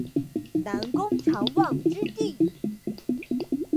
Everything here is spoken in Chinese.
南宫长万之弟。